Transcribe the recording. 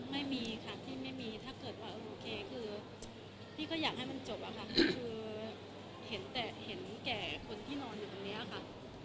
ไม่มีค่ะพี่ไม่มีถ้าเกิดว่าโอเคคือพี่ก็อยากให้มันจบอะค่ะคือเห็นแต่เห็นแก่คนที่นอนอยู่ตรงนี้ค่ะ